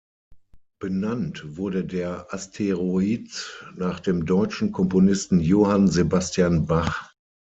Benannt wurde der Asteroid nach dem deutschen Komponisten Johann Sebastian Bach.